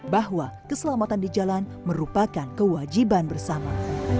bahwa keselamatan di jalan merupakan kewajiban bersama